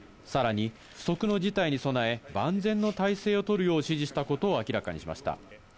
さらに不測の事態に備え、万全の態勢を取るよう指示したことを明らかにしました。